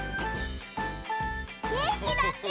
げんきだって！